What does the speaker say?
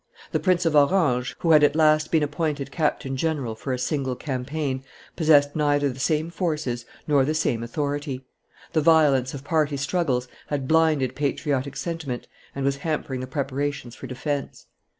The Prince of Orange, who had at last been appointed captain general for a single campaign, possessed neither the same forces nor the same authority; the violence of party struggles had blinded patriotic sentiment and was hampering the preparations for defence.